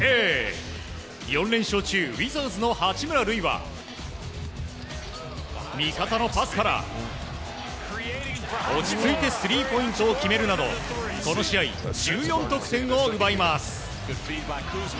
４連勝中、ウィザーズの八村塁は味方のパスから落ち着いてスリーポイントを決めるなどこの試合１４得点を奪います。